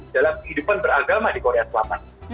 dalam kehidupan beragama di korea selatan